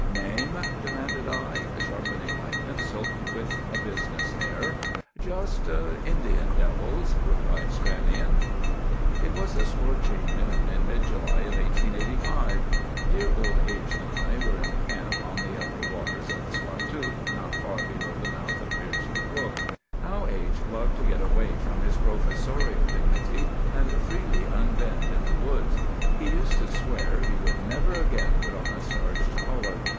"Name?" demanded I, sharpening my pencil with a business air. "Just— 'INDIAN DEVILS,' replied Stranion. "It was a scorching noon in mid July of 1885. Dear old H—— and I were in camp on the upper waters of the Squatook, not far below the mouth of Beardsley Brook. How H—— loved to get away from his professorial dignity and freely unbend in the woods! He used to swear he would never again put on a starched collar.